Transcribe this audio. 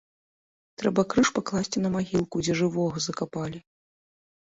Трэба крыж пакласці на магілку, дзе жывога закапалі.